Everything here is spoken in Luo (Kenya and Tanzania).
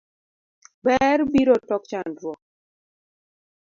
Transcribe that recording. Ber biro tok chandruo.